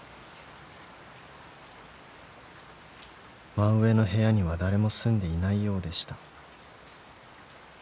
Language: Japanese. ［真上の部屋には誰も住んでいないようでした］